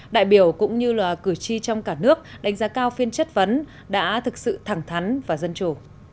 đại biểu cũng như là cử tri trong cả nước đánh giá cao phiên chất vấn đã thực sự thẳng thắn và dân chủ